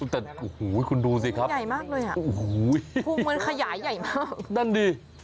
แต่โอ้โหคุณดูสิครับใหญ่มากเลยอ่ะโอ้โหภูมิมันขยายใหญ่มากนั่นดิ